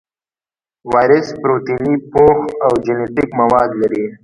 وایرس پروتیني پوښ او جینیټیک مواد لري.